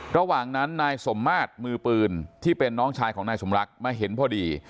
ระหว่างนั้นนายสมมาตรมือปืนที่เป็นน้องชายของนายสมรักมาเห็นพอดี